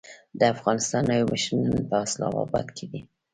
د افغانستان نوی مشر نن په اسلام اباد کې دی.